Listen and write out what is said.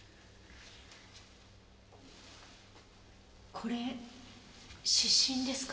これ湿疹ですか？